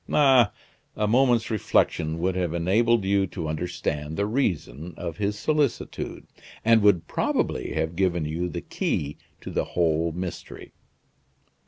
Ah! a moment's reflection would have enabled you to understand the reason of his solicitude, and would probably have given you the key to the whole mystery."